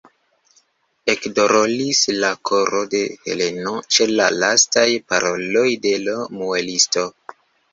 Ekdoloris la koro de Heleno ĉe la lastaj paroloj de l' muelisto.